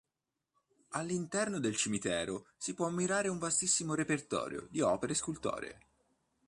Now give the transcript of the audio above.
All'interno del cimitero si può ammirare un vastissimo repertorio di opere scultoree.